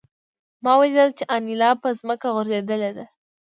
ما ولیدل چې انیلا په ځمکه غورځېدلې ده